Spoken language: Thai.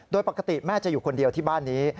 โดยปกติแม่จะอยู่คนเดียวที่บ้านนี้